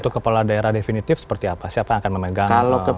untuk kepala daerah definitif seperti apa siapa yang akan memegang